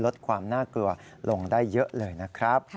ลดความน่ากลัวลงได้เยอะเลยนะครับ